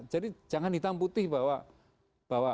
jadi jangan hitam putih bahwa